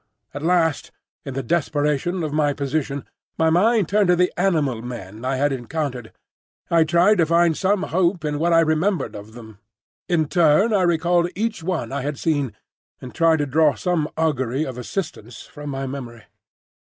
At last in the desperation of my position, my mind turned to the animal men I had encountered. I tried to find some hope in what I remembered of them. In turn I recalled each one I had seen, and tried to draw some augury of assistance from my memory.